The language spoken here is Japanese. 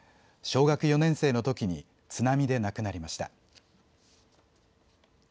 小学４年生のときに津波で亡くなりました。